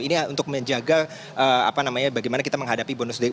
ini untuk menjaga bagaimana kita menghadapi bonus demo